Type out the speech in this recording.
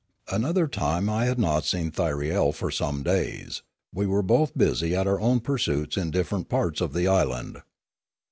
Another time I had not seen Thyriel for some days; we were both busy at our own pursuits in different parts of the island.